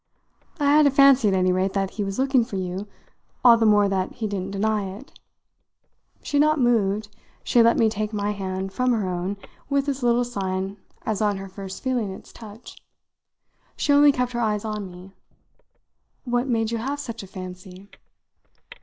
"I had a fancy, at any rate, that he was looking for you all the more that he didn't deny it." She had not moved; she had let me take my hand from her own with as little sign as on her first feeling its touch. She only kept her eyes on me. "What made you have such a fancy?"